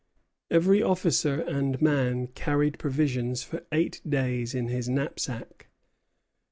Every officer and man carried provisions for eight days in his knapsack.